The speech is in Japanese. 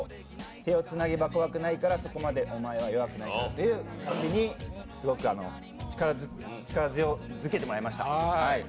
「手をつなげば怖くないからそこまでお前は弱くないから」という歌詞にすごく力づけてもらいました。